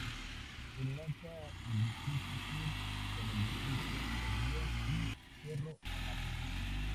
Enlaza el distrito Sur con el distrito Nervión y Cerro-Amate.